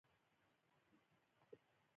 شریعت یار او بریالي هلمند یې زیات یادول.